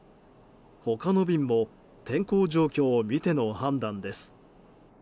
他の便も天候状況を見ての判断です。